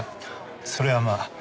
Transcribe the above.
それはまあ。